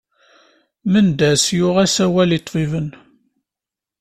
Mendas yuɣ-as awal i ṭṭbib-nn.